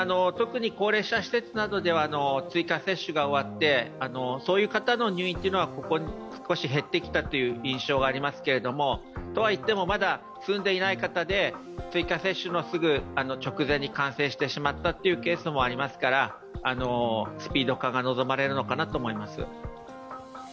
特に高齢者施設などでは追加接種が終わって、そういう方の入院はここ少し減ってきたという印象がありますが、とはいっても、まだ済んでいない方で追加接種のすぐ直前に感染してしまったというケースもありますからスピード感が望まれるのかなと思います。